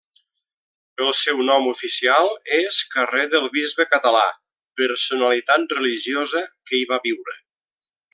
El seu nom oficial és carrer del Bisbe Català, personalitat religiosa que hi va viure.